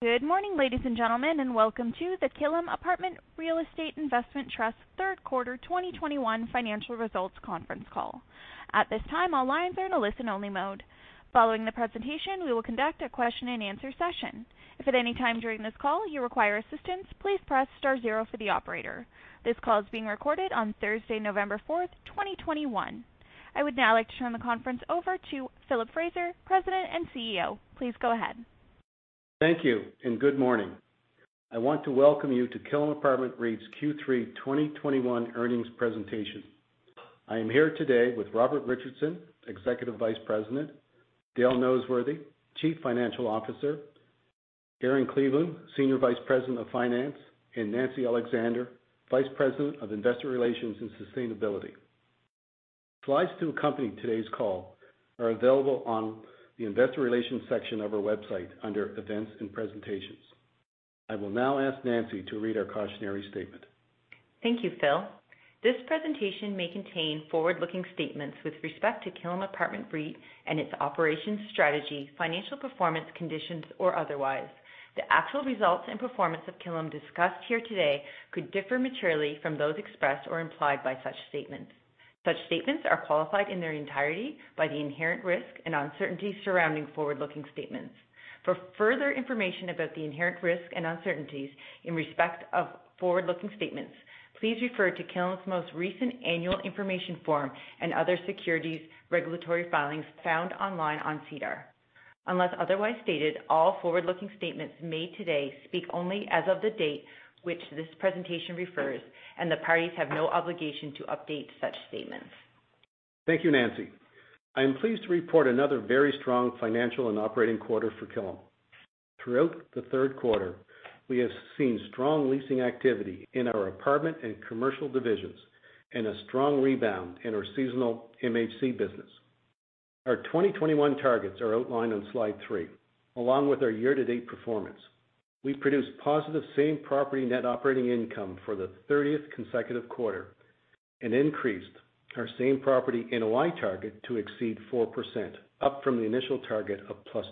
Good morning, ladies and gentlemen, and welcome to the Killam Apartment Real Estate Investment Trust Q3 2021 Financial Results Conference Call. At this time, all lines are in a listen-only mode. Following the presentation, we will conduct a question-and-answer session. If at any time during this call you require assistance, please press star zero for the operator. This call is being recorded on Thursday, November 4th, 2021. I would now like to turn the conference over to Philip Fraser, President and CEO. Please go ahead. Thank you and good morning. I want to welcome you to Killam Apartment REIT's Q3 2021 earnings presentation. I am here today with Robert Richardson, Executive Vice President, Dale Noseworthy, Chief Financial Officer, Erin Cleveland, Senior Vice President of Finance, and Nancy Alexander, Vice President of Investor Relations and Sustainability. Slides to accompany today's call are available on the investor relations section of our website under Events and Presentations. I will now ask Nancy to read our cautionary statement. Thank you, Phil. This presentation may contain forward-looking statements with respect to Killam Apartment REIT and its operations, strategy, financial performance, conditions, or otherwise. The actual results and performance of Killam discussed here today could differ materially from those expressed or implied by such statements. Such statements are qualified in their entirety by the inherent risk and uncertainty surrounding forward-looking statements. For further information about the inherent risk and uncertainties in respect of forward-looking statements, please refer to Killam's most recent annual information form and other securities regulatory filings found online on SEDAR. Unless otherwise stated, all forward-looking statements made today speak only as of the date which this presentation refers, and the parties have no obligation to update such statements. Thank you, Nancy. I am pleased to report another very strong financial and operating quarter for Killam. Throughout the Q3, we have seen strong leasing activity in our apartment and commercial divisions and a strong rebound in our seasonal MHC business. Our 2021 targets are outlined on slide three, along with our year-to-date performance. We produced positive same-property net operating income for the 30th consecutive quarter and increased our same-property NOI target to exceed 4%, up from the initial target of +2%.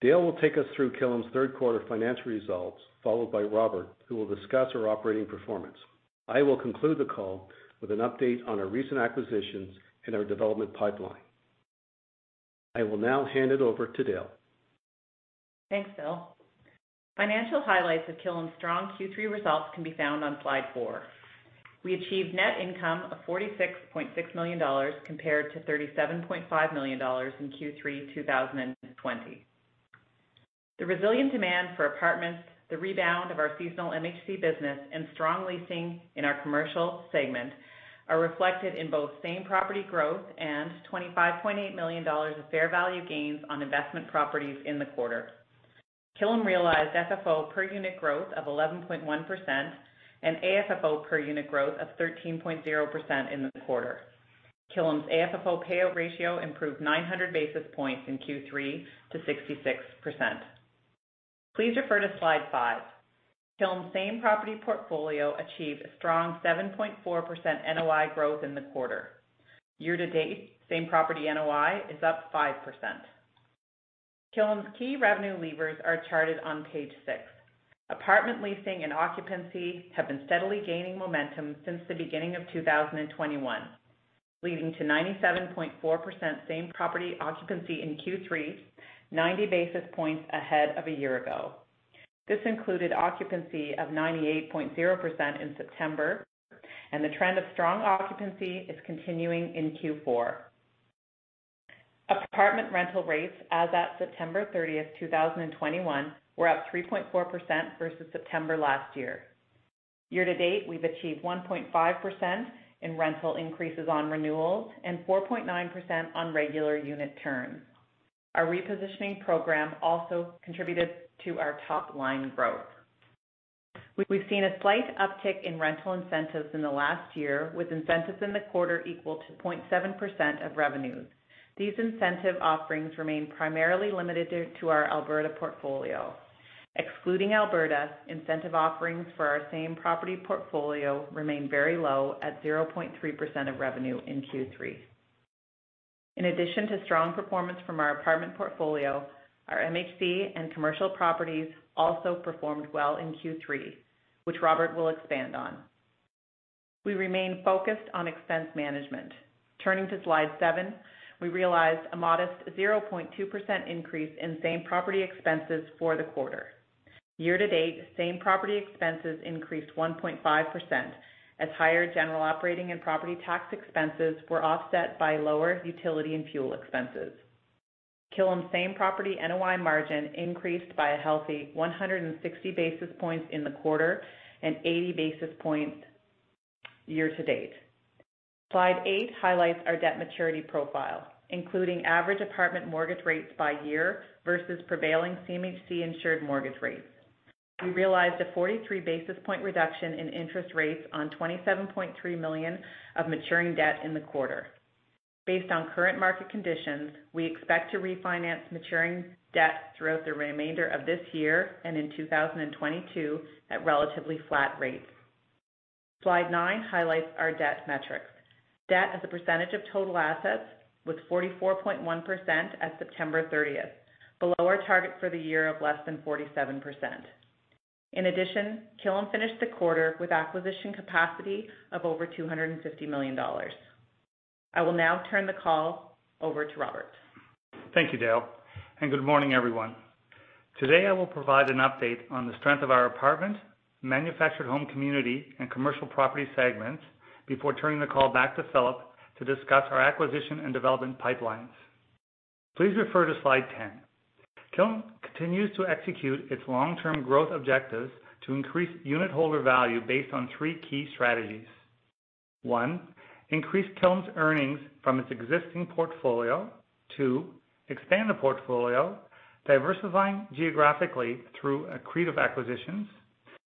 Dale will take us through Killam's Q3 financial results, followed by Robert, who will discuss our operating performance. I will conclude the call with an update on our recent acquisitions and our development pipeline. I will now hand it over to Dale. Thanks, Phil. Financial highlights of Killam's strong Q3 results can be found on slide four. We achieved net income of 46.6 million dollars compared to 37.5 million dollars in Q3 2020. The resilient demand for apartments, the rebound of our seasonal MHC business, and strong leasing in our commercial segment are reflected in both same-property growth and 25.8 million dollars of fair value gains on investment properties in the quarter. Killam realized FFO per unit growth of 11.1% and AFFO per unit growth of 13.0% in the quarter. Killam's AFFO payout ratio improved 900 basis points in Q3 to 66%. Please refer to slide five. Killam's same-property portfolio achieved a strong 7.4% NOI growth in the quarter. Year-to-date, same-property NOI is up 5%. Killam's key revenue levers are charted on page six. Apartment leasing and occupancy have been steadily gaining momentum since the beginning of 2021, leading to 97.4% same-property occupancy in Q3, 90 basis points ahead of a year ago. This included occupancy of 98.0% in September, and the trend of strong occupancy is continuing in Q4. Apartment rental rates as at September 30th, 2021, were up 3.4% versus September last year. Year-to-date, we've achieved 1.5% in rental increases on renewals and 4.9% on regular unit turns. Our repositioning program also contributed to our top-line growth. We've seen a slight uptick in rental incentives in the last year, with incentives in the quarter equal to 0.7% of revenues. These incentive offerings remain primarily limited to our Alberta portfolio. Excluding Alberta, incentive offerings for our same-property portfolio remain very low at 0.3% of revenue in Q3. In addition to strong performance from our apartment portfolio, our MHC and commercial properties also performed well in Q3, which Robert will expand on. We remain focused on expense management. Turning to slide seven, we realized a modest 0.2% increase in same-property expenses for the quarter. Year-to-date, same-property expenses increased 1.5% as higher general operating and property tax expenses were offset by lower utility and fuel expenses. Killam's same-property NOI margin increased by a healthy 160 basis points in the quarter and 80 basis points year-to-date. Slide eight highlights our debt maturity profile, including average apartment mortgage rates by year versus prevailing CMHC-insured mortgage rates. We realized a 43 basis point reduction in interest rates on 27.3 million of maturing debt in the quarter. Based on current market conditions, we expect to refinance maturing debt throughout the remainder of this year and in 2022 at relatively flat rates. Slide nine highlights our debt metrics. Debt as a percentage of total assets was 44.1% at September 30th, below our target for the year of less than 47%. In addition, Killam finished the quarter with acquisition capacity of over 250 million dollars. I will now turn the call over to Robert. Thank you, Dale, and good morning, everyone. Today, I will provide an update on the strength of our apartment, manufactured home, community, and commercial property segments before turning the call back to Philip to discuss our acquisition and development pipelines. Please refer to slide 10. Killam continues to execute its long-term growth objectives to increase unitholder value based on three key strategies. One, increase Killam's earnings from its existing portfolio. Two, expand the portfolio, diversifying geographically through accretive acquisitions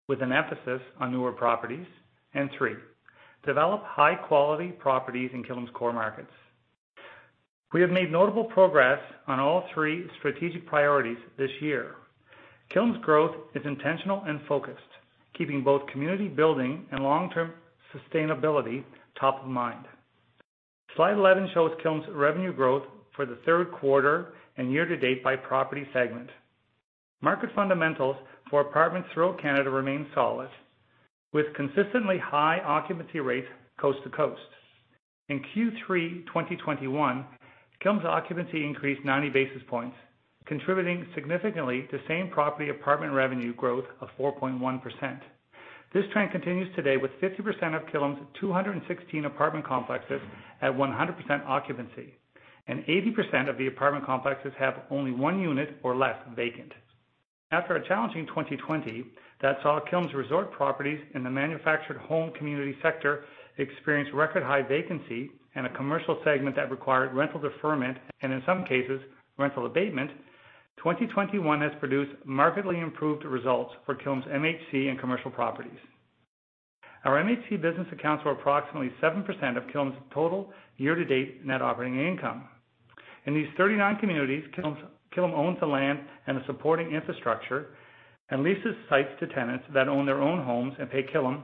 with an emphasis on newer properties. And three, develop high-quality properties in Killam's core markets. We have made notable progress on all three strategic priorities this year. Killam's growth is intentional and focused, keeping both community building and long-term sustainability top of mind. Slide 11 shows Killam's revenue growth for the Q3 and year to date by property segment. Market fundamentals for apartments throughout Canada remain solid, with consistently high occupancy rates coast to coast. In Q3 2021, Killam's occupancy increased 90 basis points, contributing significantly to same-property apartment revenue growth of 4.1%. This trend continues today with 50% of Killam's 216 apartment complexes at 100% occupancy, and 80% of the apartment complexes have only one unit or less vacant. After a challenging 2020 that saw Killam's resort properties in the manufactured home community sector experience record high vacancy and a commercial segment that required rental deferment and in some cases, rental abatement, 2021 has produced markedly improved results for Killam's MHC and commercial properties. Our MHC business accounts for approximately 7% of Killam's total year-to-date net operating income. In these 39 communities, Killam owns the land and the supporting infrastructure and leases sites to tenants that own their own homes and pay Killam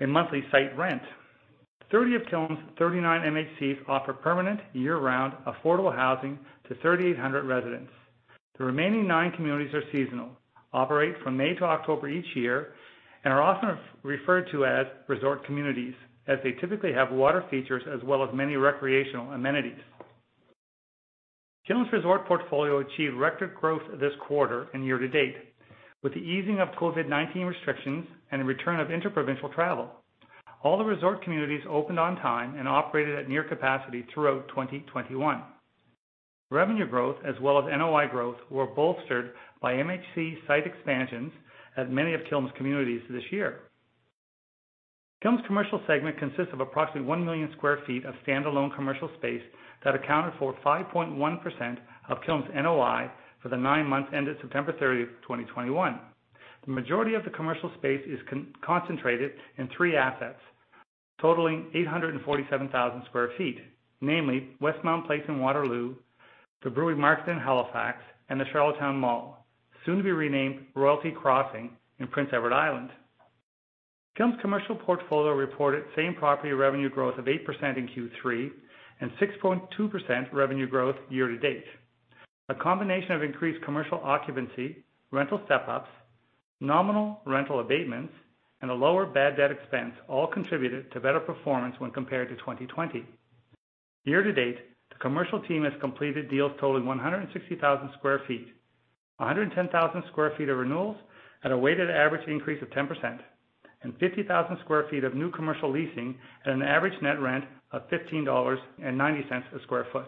in monthly site rent. 30 of Killam's 39 MHCs offer permanent year-round affordable housing to 3,800 residents. The remaining nine communities are seasonal, operate from May-October each year, and are often referred to as resort communities, as they typically have water features as well as many recreational amenities. Killam's resort portfolio achieved record growth this quarter and year to date. With the easing of COVID-19 restrictions and the return of inter-provincial travel, all the resort communities opened on time and operated at near capacity throughout 2021. Revenue growth as well as NOI growth were bolstered by MHC site expansions at many of Killam's communities this year. Killam's commercial segment consists of approximately 1 million sq ft of standalone commercial space that accounted for 5.1% of Killam's NOI for the nine months ended September 30, 2021. The majority of the commercial space is concentrated in three assets totaling 847,000 sq ft, namely Westmount Place in Waterloo, the Brewery Market in Halifax, and the Charlottetown Mall, soon to be renamed Royalty Crossing in Prince Edward Island. Killam's commercial portfolio reported same-property revenue growth of 8% in Q3 and 6.2% revenue growth year to date. A combination of increased commercial occupancy, rental step-ups, nominal rental abatements, and a lower bad debt expense all contributed to better performance when compared to 2020. Year to date, the commercial team has completed deals totaling 160,000 sq ft, 110,000 sq ft of renewals at a weighted average increase of 10%, and 50,000 sq ft of new commercial leasing at an average net rent of 15.90 dollars/sq ft.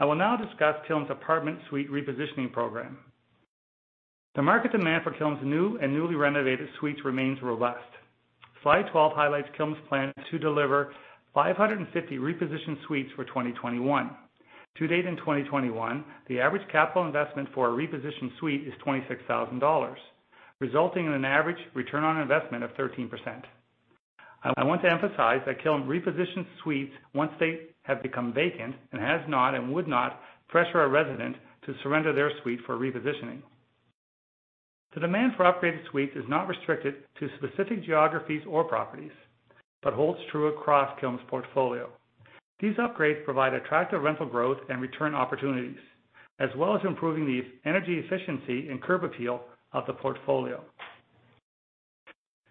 I will now discuss Killam's apartment suite repositioning program. The market demand for Killam's new and newly renovated suites remains robust. Slide 12 highlights Killam's plan to deliver 550 repositioned suites for 2021. To date in 2021, the average capital investment for a repositioned suite is 26,000 dollars, resulting in an average return on investment of 13%. I want to emphasize that Killam repositions suites once they have become vacant and has not and would not pressure a resident to surrender their suite for repositioning. The demand for upgraded suites is not restricted to specific geographies or properties, but holds true across Killam's portfolio. These upgrades provide attractive rental growth and return opportunities, as well as improving the energy efficiency and curb appeal of the portfolio.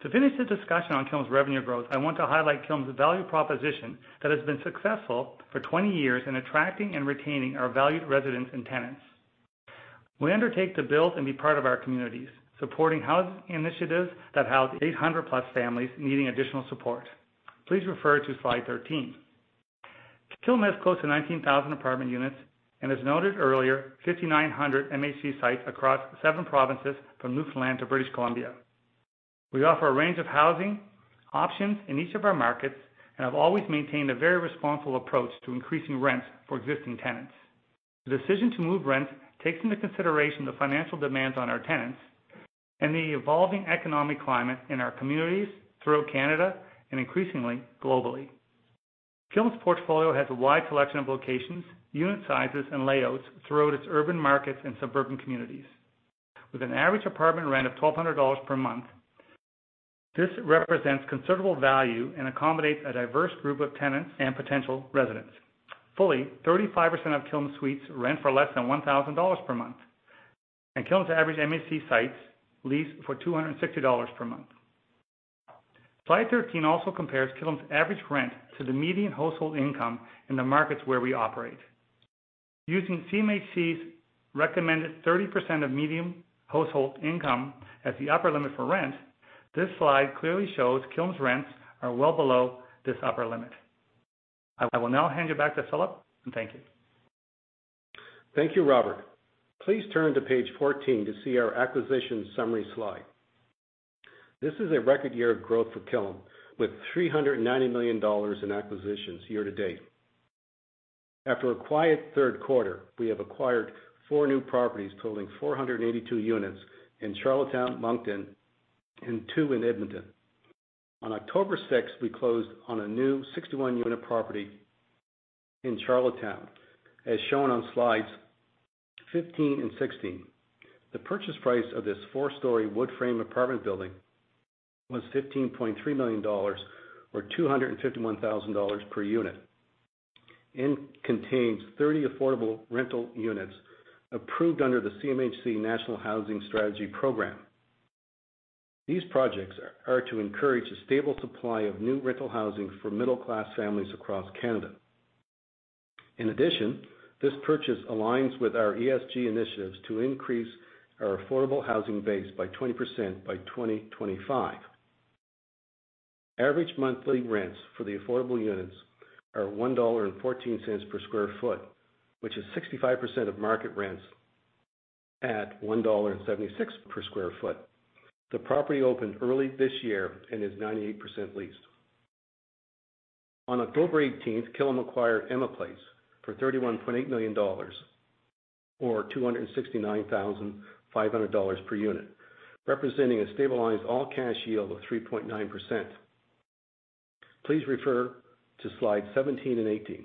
To finish the discussion on Killam's revenue growth, I want to highlight Killam's value proposition that has been successful for 20 years in attracting and retaining our valued residents and tenants. We undertake to build and be part of our communities, supporting housing initiatives that house 800+ families needing additional support. Please refer to slide 13. Killam has close to 19,000 apartment units and as noted earlier, 5,900 MHC sites across seven provinces from Newfoundland to British Columbia. We offer a range of housing options in each of our markets and have always maintained a very responsible approach to increasing rents for existing tenants. The decision to move rent takes into consideration the financial demands on our tenants and the evolving economic climate in our communities throughout Canada and increasingly globally. Killam's portfolio has a wide selection of locations, unit sizes, and layouts throughout its urban markets and suburban communities. With an average apartment rent of 1,200 dollars per month, this represents considerable value and accommodates a diverse group of tenants and potential residents. Fully 35% of Killam Suites rent for less than 1,000 dollars per month, and Killam's average MHC sites lease for 260 dollars per month. Slide 13 also compares Killam's average rent to the median household income in the markets where we operate. Using CMHC's recommended 30% of median household income at the upper limit for rent, this slide clearly shows Killam's rents are well below this upper limit. I will now hand you back to Philip, and thank you. Thank you, Robert. Please turn to page 14 to see our acquisition summary slide. This is a record year of growth for Killam, with 390 million dollars in acquisitions year-to-date. After a quiet Q3, we have acquired four new properties totaling 482 units in Charlottetown, Moncton, and two in Edmonton. On October 6th, we closed on a new 61-unit property in Charlottetown, as shown on slides 15 and 16. The purchase price of this four-story wood-frame apartment building was 15.3 million dollars or 251,000 dollars per unit, and contains 30 affordable rental units approved under the CMHC National Housing Strategy Program. These projects are to encourage a stable supply of new rental housing for middle-class families across Canada. In addition, this purchase aligns with our ESG initiatives to increase our affordable housing base by 20% by 2025. Average monthly rents for the affordable units are 1.14 dollar per sq ft, which is 65% of market rents at 1.76 dollar per sq ft. The property opened early this year and is 98% leased. On October 18, Killam acquired Emma Place for 31.8 million dollars or 269,500 dollars per unit, representing a stabilized all-cash yield of 3.9%. Please refer to slide 17 and 18.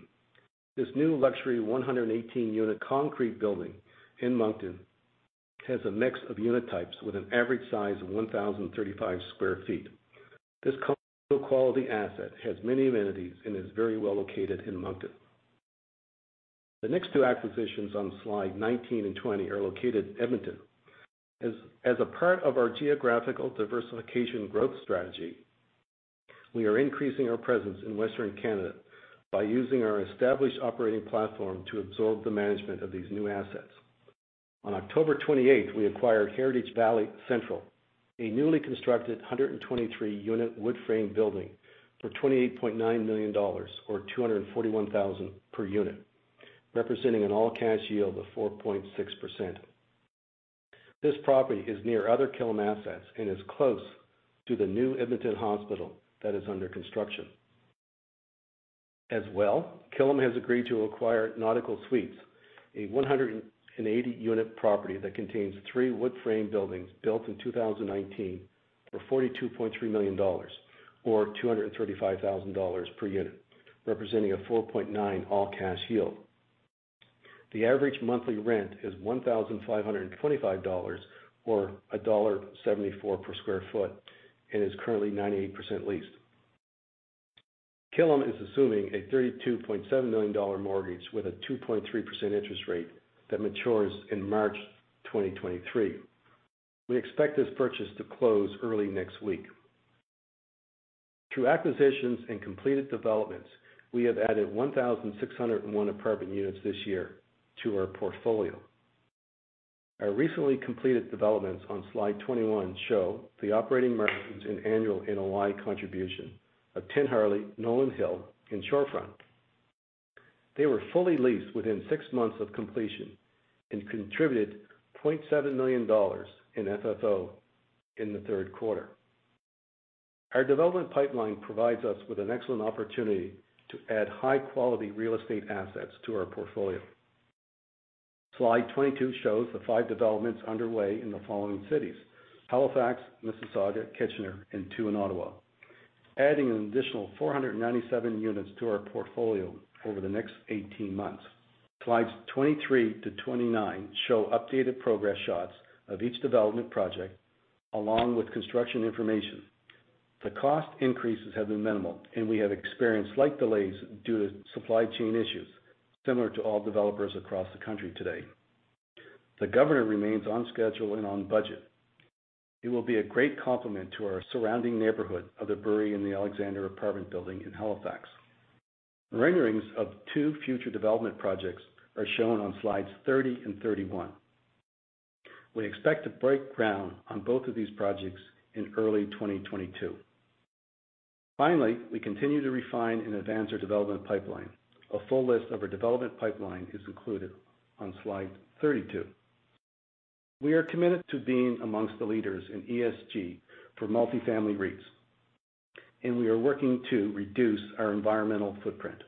This new luxury 118-unit concrete building in Moncton has a mix of unit types with an average size of 1,035 sq ft. This quality asset has many amenities and is very well located in Moncton. The next two acquisitions on slide 19 and 20 are located in Edmonton. As a part of our geographical diversification growth strategy, we are increasing our presence in Western Canada by using our established operating platform to absorb the management of these new assets. On October 28th, we acquired Heritage Valley Central, a newly constructed 123-unit wood-frame building for 28.9 million dollars or 241,000 per unit, representing an all-cash yield of 4.6%. This property is near other Killam assets and is close to the new Edmonton Hospital that is under construction. Killam has agreed to acquire Nautical Suites, a 180-unit property that contains three wood-frame buildings built in 2019 for 42.3 million dollars or 235,000 dollars per unit, representing a 4.9% all-cash yield. The average monthly rent is 1,525 dollars or dollar 1.74 per sq ft and is currently 98% leased. Killam is assuming a 32.7 million dollar mortgage with a 2.3% interest rate that matures in March 2023. We expect this purchase to close early next week. Through acquisitions and completed developments, we have added 1,601 apartment units this year to our portfolio. Our recently completed developments on slide 21 show the operating margins in annual NOI contribution of Tin Harley, Nolan Hill, and Shorefront. They were fully leased within six months of completion and contributed 0.7 million dollars in FFO in the Q3. Our development pipeline provides us with an excellent opportunity to add high-quality real estate assets to our portfolio. Slide 22 shows the five developments underway in the following cities: Halifax, Mississauga, Kitchener, and two in Ottawa, adding an additional 497 units to our portfolio over the next 18 months. Slides 23-29 show updated progress shots of each development project along with construction information. The cost increases have been minimal, and we have experienced slight delays due to supply chain issues similar to all developers across the country today. The Governor remains on schedule and on budget. It will be a great complement to our surrounding neighborhood of The Brewery in The Alexander apartment building in Halifax. Renderings of two future development projects are shown on slides 30 and 31. We expect to break ground on both of these projects in early 2022. Finally, we continue to refine and advance our development pipeline. A full list of our development pipeline is included on slide 32. We are committed to being among the leaders in ESG for multifamily REITs, and we are working to reduce our environmental footprint.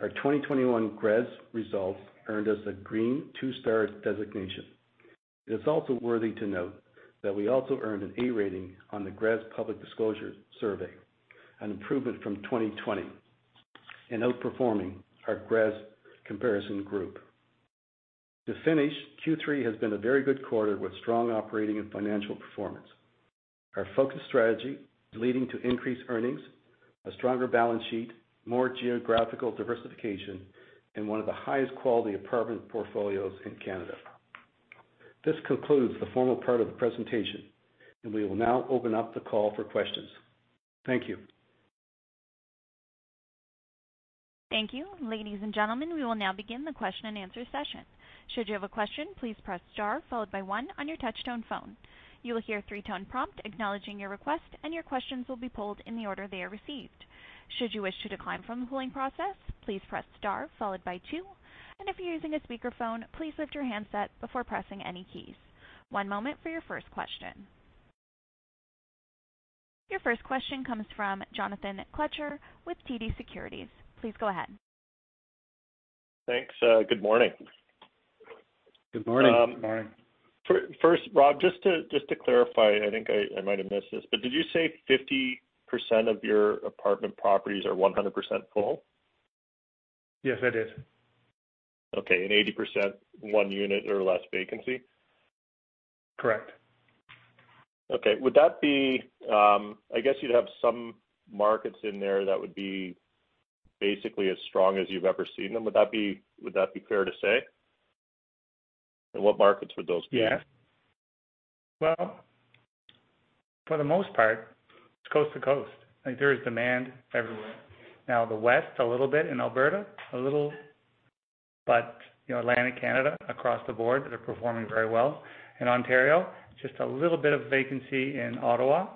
Our 2021 GRESB results earned us a green two-star designation. It is also worth noting that we also earned an A rating on the GRESB Public Disclosure Survey, an improvement from 2020, and outperforming our GRESB comparison group. To finish, Q3 has been a very good quarter with strong operating and financial performance. Our focused strategy is leading to increased earnings, a stronger balance sheet, more geographical diversification, and one of the highest quality apartment portfolios in Canada. This concludes the formal part of the presentation, and we will now open up the call for questions. Thank you. Thank you. Ladies and gentlemen, we will now begin the question-and-answer session. Your 1st question comes from Jonathan Kelcher with TD Securities. Please go ahead. Thanks. Good morning. Good morning. Good morning. 1st, Rob, just to clarify, I think I might have missed this, but did you say 50% of your apartment properties are 100% full? Yes, I did. Okay. 80% one unit or less vacancy? Correct. Okay. I guess you'd have some markets in there that would be basically as strong as you've ever seen them. Would that be fair to say? What markets would those be in? Yeah. Well, for the most part, it's coast to coast. Like, there is demand everywhere. Now, the West a little bit, in Alberta a little, but, you know, Atlantic Canada across the board, they're performing very well. In Ontario, just a little bit of vacancy in Ottawa,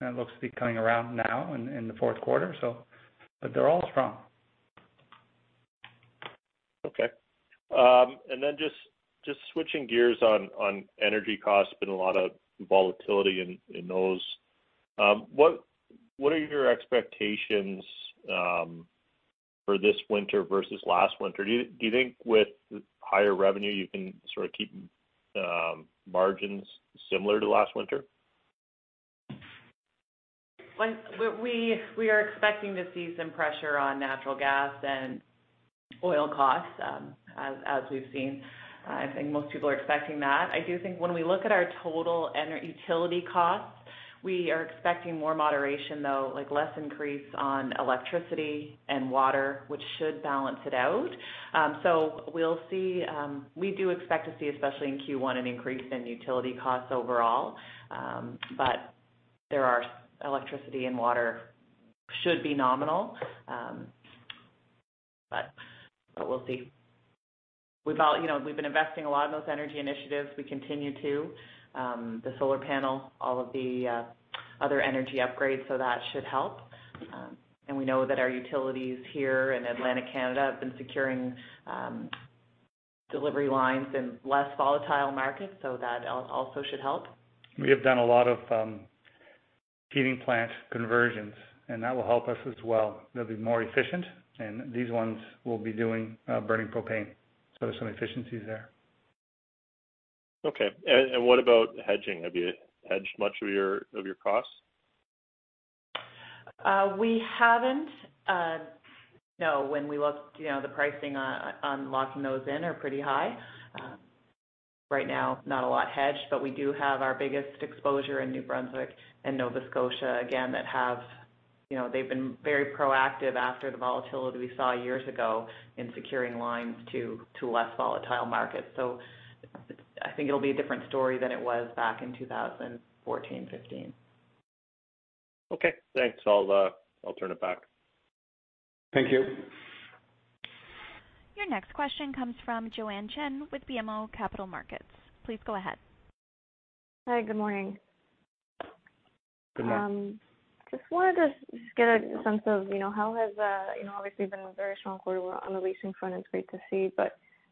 and it looks to be coming around now in the Q4. But they're all strong. Okay. Just switching gears on energy costs, been a lot of volatility in those. What are your expectations for this winter versus last winter? Do you think with higher revenue, you can sort of keep margins similar to last winter? We are expecting to see some pressure on natural gas and oil costs, as we've seen. I think most people are expecting that. I do think when we look at our total energy utility costs, we are expecting more moderation, though, like less increase on electricity and water, which should balance it out. We'll see. We do expect to see, especially in Q1, an increase in utility costs overall. The electricity and water should be nominal. We'll see. You know, we've been investing a lot in those energy initiatives. We continue to. The solar panel, all of the other energy upgrades, so that should help. We know that our utilities here in Atlantic Canada have been securing delivery lines in less volatile markets, so that also should help. We have done a lot of heating plant conversions, and that will help us as well. They'll be more efficient, and these ones will be doing burning propane. There's some efficiencies there. Okay. What about hedging? Have you hedged much of your costs? We haven't. No. When we looked, you know, the pricing on locking those in are pretty high. Right now, not a lot hedged, but we do have our biggest exposure in New Brunswick and Nova Scotia, again, that have, you know, they've been very proactive after the volatility we saw years ago in securing lines to less volatile markets. I think it'll be a different story than it was back in 2014, 2015. Okay. Thanks. I'll turn it back. Thank you. Your next question comes from Joanne Chen with BMO Capital Markets. Please go ahead. Hi. Good morning. Good morning. Good morning. Just wanted to get a sense of, you know, how it has obviously been a very strong quarter on the leasing front. It's great to see.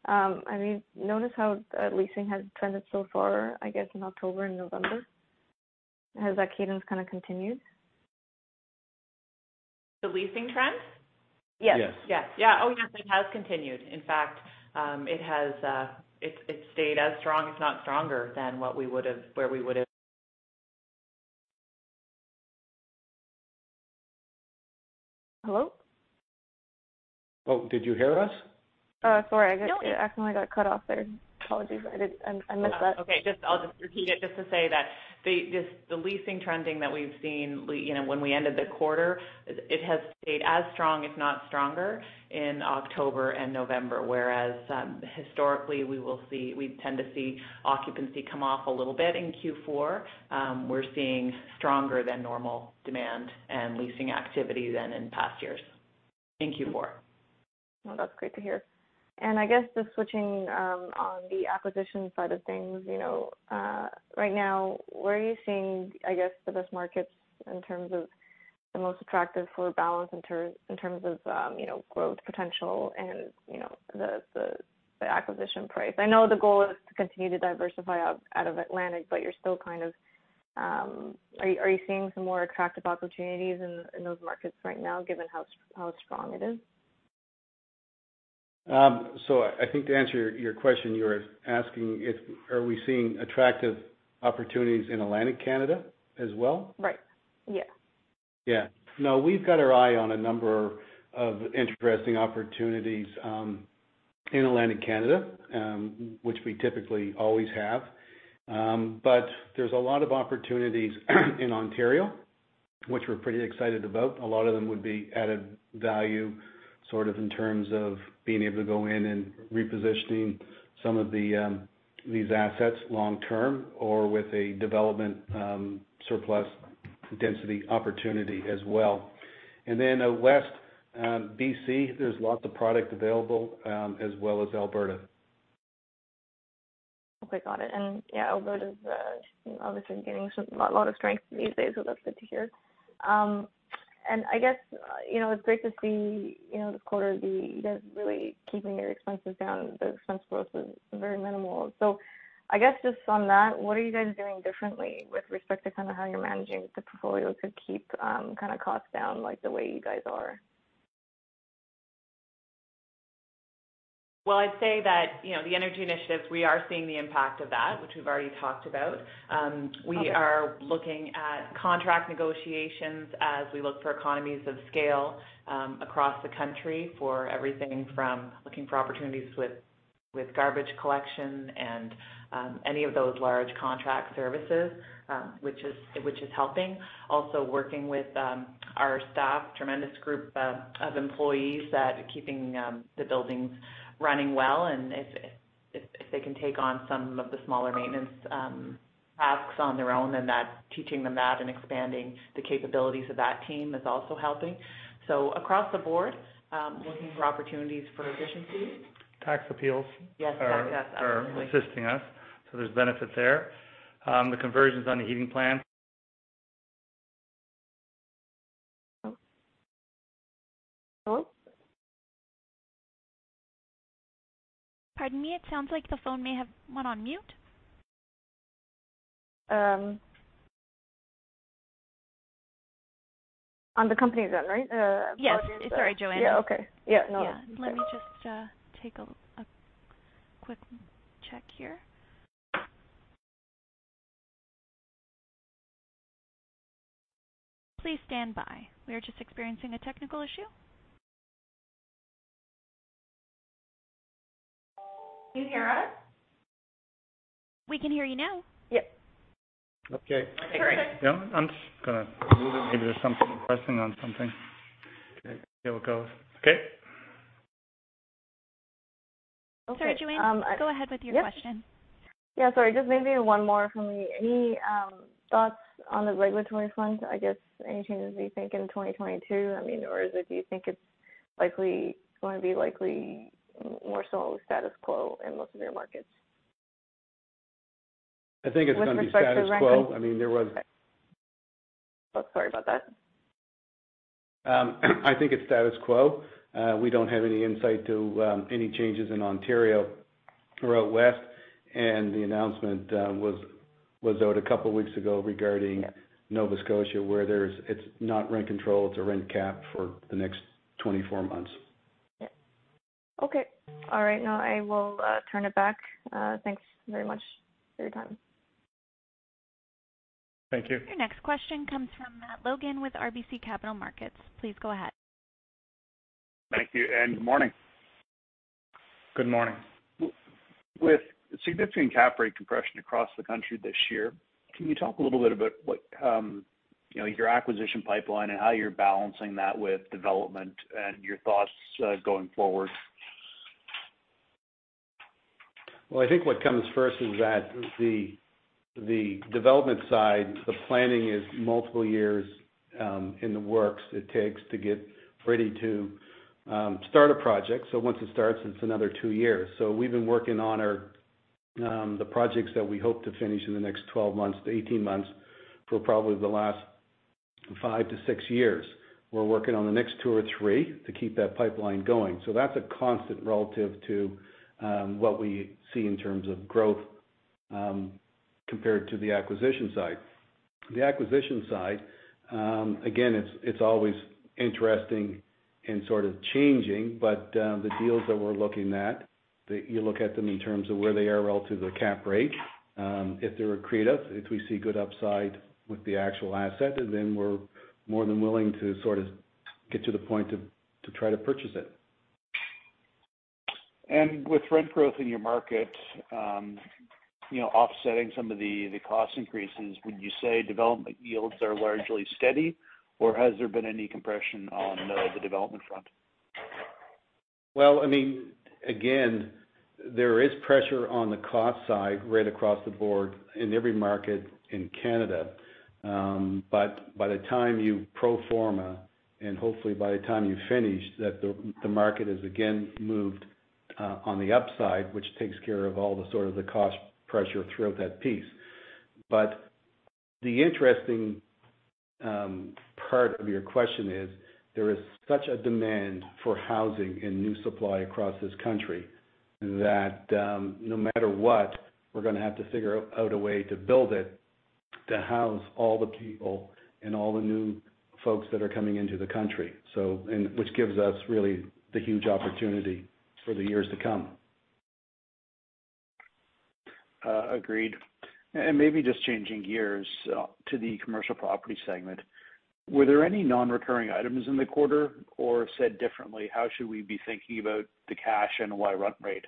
I mean, notice how leasing has trended so far, I guess, in October and November. Has that cadence kind a continued? The leasing trend? Yes. Yes. Yes. Yeah. Oh, yes, it has continued. In fact, it has stayed as strong, if not stronger than where we would have. Hello? Oh, did you hear us? Sorry. It accidentally got cut off there. Apologies. I missed that. I'll just repeat it to say that the leasing trending that we've seen, you know, when we ended the quarter, it has stayed as strong, if not stronger, in October and November, whereas historically we tend to see occupancy come off a little bit in Q4. We're seeing stronger than normal demand and leasing activity than in past years in Q4. Well, that's great to hear. I guess just switching on the acquisition side of things, you know, right now, where are you seeing, I guess, the best markets in terms of the most attractive for balance in terms of, you know, growth potential and, you know, the acquisition price? I know the goal is to continue to diversify out of Atlantic, but you're still kind of are you seeing some more attractive opportunities in those markets right now given how strong it is? I think to answer your question, you were asking if we are seeing attractive opportunities in Atlantic Canada as well? Right. Yeah. Yeah. No, we've got our eye on a number of interesting opportunities in Atlantic Canada, which we typically always have. There's a lot of opportunities in Ontario, which we're pretty excited about. A lot of them would be added value, sort of in terms of being able to go in and repositioning some of these assets long term or with a development, surplus density opportunity as well. Then, West, BC, there's lots of product available, as well as Alberta. Okay, got it. Yeah, Alberta is, you know, obviously gaining a lot of strength these days, so that's good to hear. I guess, you know, it's great to see, you know, this quarter, you guys really keeping your expenses down. The expense growth was very minimal. I guess just on that, what are you guys doing differently with respect to kind of how you're managing the portfolio to keep, kind of costs down like the way you guys are? Well, I'd say that, you know, the energy initiatives, we are seeing the impact of that, which we've already talked about. Okay. We are looking at contract negotiations as we look for economies of scale across the country for everything from looking for opportunities with garbage collection and any of those large contract services, which is helping. Also working with our staff, tremendous group of employees that are keeping the buildings running well. And if they can take on some of the smaller maintenance tasks on their own, then that's teaching them that and expanding the capabilities of that team is also helping. Across the board, looking for opportunities for efficiency. Tax appeals. Yes, tax. Yes, absolutely. Are assisting us. There's benefits there. The conversions on the heating plan. Hello? Pardon me. It sounds like the phone may have went on mute. On the company end, right? Yes. I'm sorry, Joanne. Yeah, okay. Yeah, no. Yeah. Let me just take a quick check here. Please stand by. We are just experiencing a technical issue. Can you hear us? We can hear you now. Yep. Okay. Okay, great. I'm pressing on something. Okay, here we go. Okay. Sorry, Joanne. Um, I- Go ahead with your question. Yep. Yeah, sorry. Just maybe one more from me. Any thoughts on the regulatory front? I guess any changes that you think in 2022? I mean, or is it, do you think it's gonna be likely more so status quo in most of your markets? I think it's gonna be status quo. With respect to rent. I mean, there was Oh, sorry about that. I think it's status quo. We don't have any insight to any changes in Ontario or out west, and the announcement was out a couple weeks ago regarding Nova Scotia. It's not rent control, it's a rent cap for the next 24 months. Yeah. Okay. All right. Now I will turn it back. Thanks very much for your time. Thank you. Your next question comes from Matt Logan with RBC Capital Markets. Please go ahead. Thank you, and good morning. Good morning. With significant cap rate compression across the country this year, can you talk a little bit about what, you know, your acquisition pipeline and how you're balancing that with development and your thoughts going forward? Well, I think what comes first is that the development side, the planning is multiple years in the works to get ready to start a project. Once it starts, it's another two years. We've been working on our projects that we hope to finish in the next 12 months-18 months for probably the last five to six years. We're working on the next two or three to keep that pipeline going. That's a constant relative to what we see in terms of growth compared to the acquisition side. The acquisition side, again, it's always interesting and sort of changing, but the deals that we're looking at, you look at them in terms of where they are relative to cap rate. If they're accretive, if we see good upside with the actual asset, then we're more than willing to sort of get to the point to try to purchase it. With rent growth in your market, you know, offsetting some of the cost increases, would you say development yields are largely steady, or has there been any compression on the development front? Well, I mean, again, there is pressure on the cost side right across the board in every market in Canada. By the time you pro forma, and hopefully by the time you finish, that the market has again moved on the upside, which takes care of all the sort of the cost pressure throughout that piece. The interesting part of your question is there is such a demand for housing and new supply across this country that, no matter what, we're gonna have to figure out a way to build it, to house all the people and all the new folks that are coming into the country. Which gives us really the huge opportunity for the years to come. Agreed. Maybe just changing gears to the commercial property segment. Were there any non-recurring items in the quarter? Or said differently, how should we be thinking about the cash NOI run rate?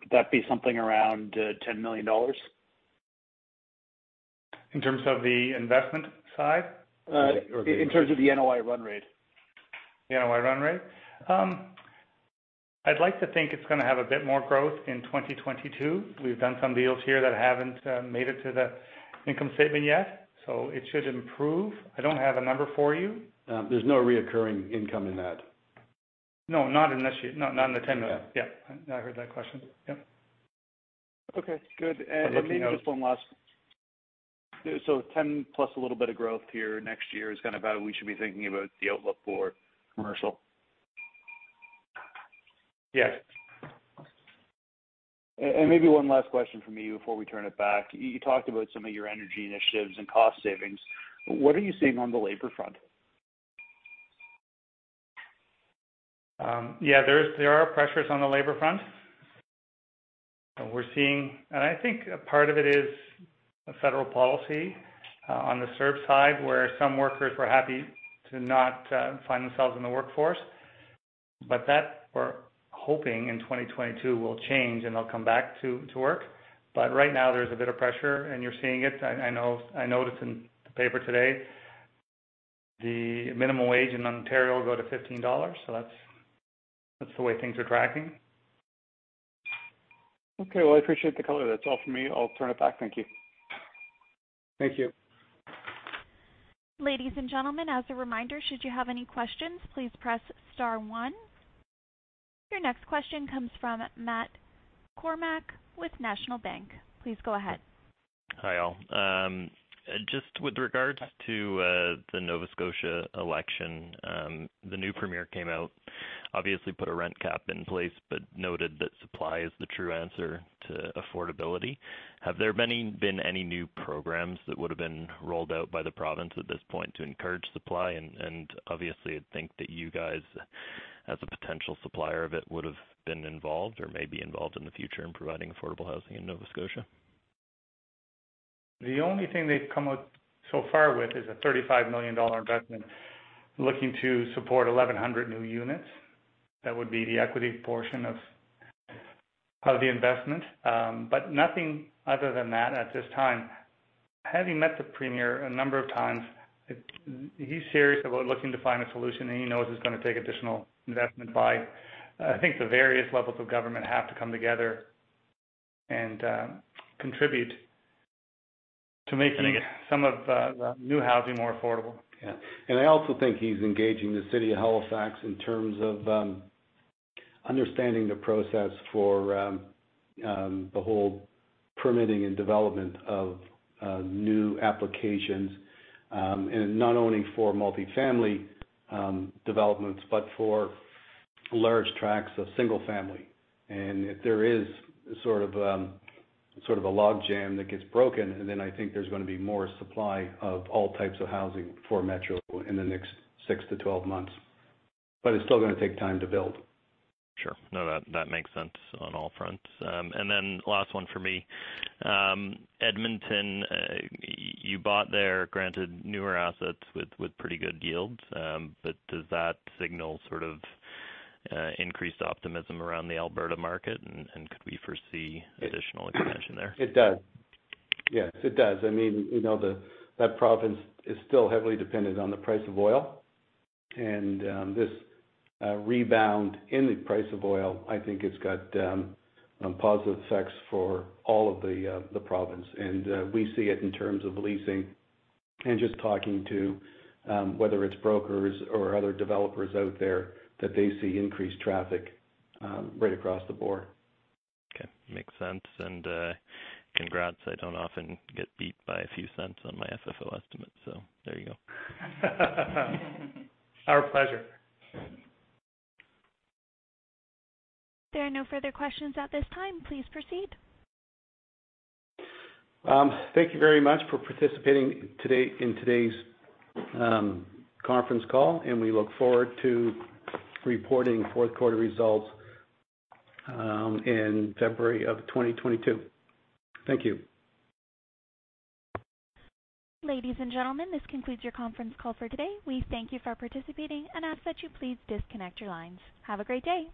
Would that be something around 10 million dollars? In terms of the investment side? In terms of the NOI run rate. NOI run rate. I'd like to think it's gonna have a bit more growth in 2022. We've done some deals here that haven't made it to the income statement yet, so it should improve. I don't have a number for you. There's no recurring income in that. No, not in this year, not in the 10 million. Yeah. Yeah. I heard that question. Yep. Okay, good. Maybe just one last. 10% plus a little bit of growth here next year is kind of how we should be thinking about the outlook for commercial. Yes. Maybe one last question from me before we turn it back. You talked about some of your energy initiatives and cost savings. What are you seeing on the labor front? Yeah, there are pressures on the labor front. We're seeing. I think a part of it is a federal policy on the CERB side, where some workers were happy to not find themselves in the workforce. But that, we're hoping in 2022, will change, and they'll come back to work. But right now, there's a bit of pressure, and you're seeing it. I know I noticed in the paper today the minimum wage in Ontario will go to 15 dollars, so that's the way things are tracking. Okay. Well, I appreciate the color. That's all for me. I'll turn it back. Thank you. Thank you. Ladies and gentlemen, as a reminder, should you have any questions, please press star one. Your next question comes from Matt Kornack with National Bank. Please go ahead. Hi, all. Just with regards to the Nova Scotia election, the new premier came out, obviously put a rent cap in place, but noted that supply is the true answer to affordability. Have there been any new programs that would've been rolled out by the province at this point to encourage supply? Obviously I'd think that you guys, as a potential supplier of it, would've been involved or may be involved in the future in providing affordable housing in Nova Scotia. The only thing they've come out so far with is a 35 million dollar investment looking to support 1,100 new units. That would be the equity portion of the investment. Nothing other than that at this time. Having met the premier a number of times, he's serious about looking to find a solution, and he knows it's gonna take additional investment by, I think, the various levels of government have to come together and contribute to making some of the new housing more affordable. Yeah. I also think he's engaging the city of Halifax in terms of understanding the process for the whole permitting and development of new applications, not only for multifamily developments, but for large tracts of single family. If there is sort of a log jam that gets broken, then I think there's gonna be more supply of all types of housing for Metro in the next six to 12 months. It's still gonna take time to build. Sure. No, that makes sense on all fronts. Then last one for me. Edmonton, you bought there, granted newer assets with pretty good yields. Does that signal sort of increased optimism around the Alberta market, and could we foresee additional expansion there? It does. Yes, it does. I mean, you know, that province is still heavily dependent on the price of oil. This rebound in the price of oil, I think, has got positive effects for all of the province. We see it in terms of leasing and just talking to whether it's brokers or other developers out there, that they see increased traffic right across the board. Okay. Makes sense. Congrats. I don't often get beat by a few cents on my FFO estimate, so there you go. Our pleasure. There are no further questions at this time. Please proceed. Thank you very much for participating in today's conference call, and we look forward to reporting Q4 results in February of 2022. Thank you. Ladies and gentlemen, this concludes your conference call for today. We thank you for participating and ask that you please disconnect your lines. Have a great day.